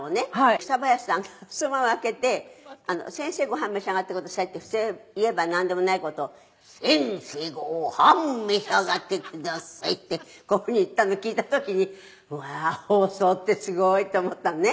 「北林さんがふすまを開けて“先生ご飯召し上がってください”って普通に言えばなんでもない事を“先生ご飯召し上がってください”ってこういうふうに言ったの聞いた時にうわー放送ってすごいって思ったのね」